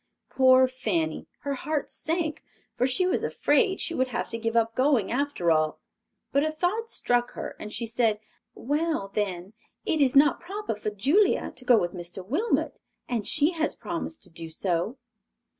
Poor Fanny! Her heart sank, for she was afraid she would have to give up going after all; but a thought struck her, and she said, "Well, then, it is not proper for Julia to go with Mr. Wilmot, and she has promised to do so."